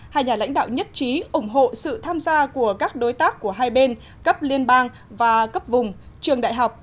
hai nhà lãnh đạo nhất trí ủng hộ sự tham gia của các đối tác của hai bên cấp liên bang và cấp vùng trường đại học